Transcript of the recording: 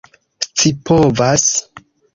scipovas